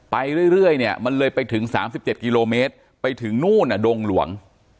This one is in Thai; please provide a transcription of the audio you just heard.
ไปเรื่อยเนี่ยมันเลยไปถึง๓๗กิโลเมตรไปถึงนู่นดงหลวง